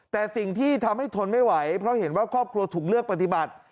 แต่สิ่งที่ทำให้ทนไม่ไหวเพราะเห็นว่าครอบครัวถูกเลือกปฏิบัติ